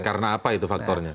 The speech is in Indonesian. karena apa itu faktornya